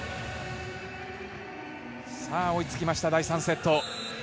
追いつきました、第３セット。